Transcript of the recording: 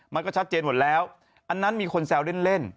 มันก็ชัดเจนหมดแล้วอันนั้นมีคนแซวเล่น